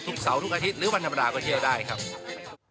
เสาร์ทุกอาทิตย์หรือวันธรรมดาก็เที่ยวได้ครับ